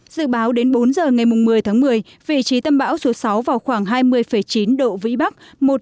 dự báo đến bốn giờ ngày một mươi tháng một mươi vị trí tâm bão số sáu vào khoảng hai mươi chín độ vĩ bắc